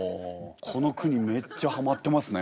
この句にめっちゃはまってますね。